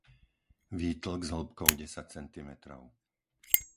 výtlk s hĺbkou desať centimetrov